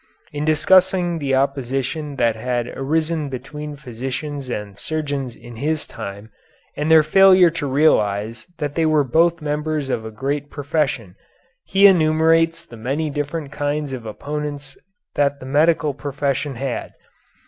In discussing the opposition that had arisen between physicians and surgeons in his time and their failure to realize that they were both members of a great profession, he enumerates the many different kinds of opponents that the medical profession had.